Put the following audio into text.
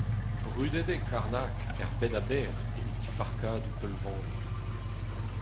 Brudet eo Karnag er bed a-bezh evit he farkadoù peulvanoù.